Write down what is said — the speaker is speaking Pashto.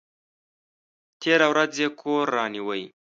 تېره ورځ یې کور رانیوی!